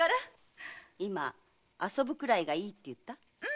「遊ぶくらいがいい」って言った？